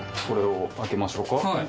はい。